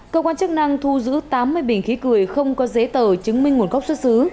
cơ quan chức năng thu giữ tám mươi bình khí cười không có giấy tờ chứng minh nguồn gốc xuất xứ